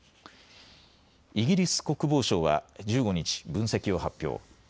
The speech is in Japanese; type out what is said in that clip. イギリス国防省は１５日、分析を発表。